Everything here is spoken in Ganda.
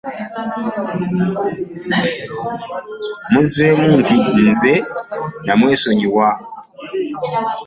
Mmuzzeemu nti, “Nze nneesonyiwa."